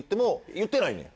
言ってないねん？